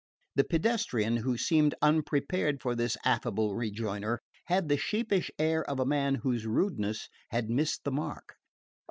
The pedestrian, who seemed unprepared for this affable rejoinder, had the sheepish air of a man whose rudeness has missed the mark.